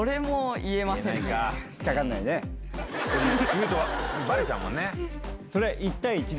言うとバレちゃうもんね。